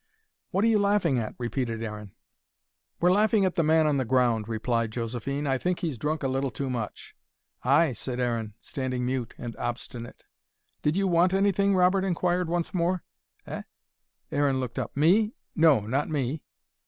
"What're you laughing at?" repeated Aaron. "We're laughing at the man on the ground," replied Josephine. "I think he's drunk a little too much." "Ay," said Aaron, standing mute and obstinate. "Did you want anything?" Robert enquired once more. "Eh?" Aaron looked up. "Me? No, not me."